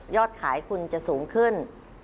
ขายคุณจะสูงขึ้น